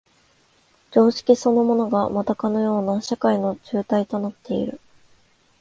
常識そのものがまたかような社会の紐帯となっている。